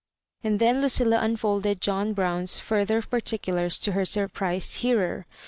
And then Lucilla unfolded John Brown's fur ther particulars to her surprised hearer.